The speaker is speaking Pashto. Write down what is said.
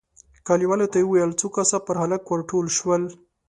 کليوالو ته يې وويل، څو کسه پر هلک ور ټول شول،